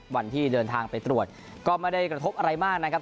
วันที่เดินทางไปตรวจก็ไม่ได้กระทบอะไรมากนะครับ